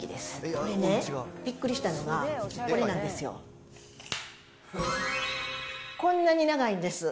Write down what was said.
これね、びっくりしたのが、これなんですよ、こんなに長いんです。